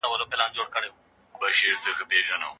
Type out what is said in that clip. تر پرون پوري مي د دلارام د تاریخ په اړه معلومات نه لرل